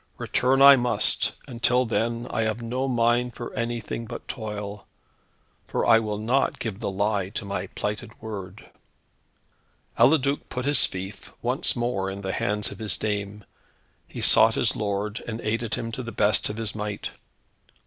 Return I must, and till then I have no mind for anything but toil; for I will not give the lie to my plighted word." Eliduc put his fief once more in the hands of his dame. He sought his lord, and aided him to the best of his might.